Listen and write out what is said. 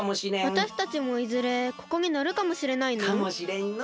わたしたちもいずれここにのるかもしれないの？かもしれんの。